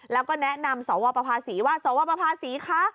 แล้วก็แนะนำสวประภาษีว่าสวประภาษีคะ